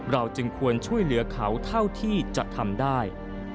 เราจึงควรช่วยเหลือเขาเท่าที่จะทำได้